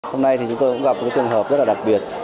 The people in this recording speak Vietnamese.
hôm nay thì chúng tôi cũng gặp những trường hợp rất là đặc biệt